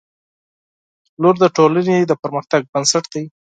• لور د ټولنې د پرمختګ بنسټ دی.